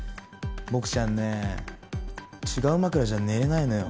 僕ちゃんね違う枕じゃ寝れないのよ。